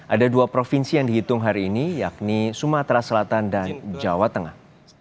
ada dua provinsi yang dihitung hari ini yakni sumatera selatan dan jawa tengah